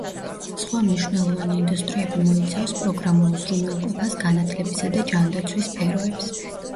სხვა მნიშვნელოვანი ინდუსტრიები მოიცავს პროგრამულ უზრუნველყოფას, განათლებისა და ჯანდაცვის სფეროებს.